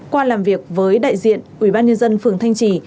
qua làm việc với đại diện ủy ban nhân dân phường thanh trì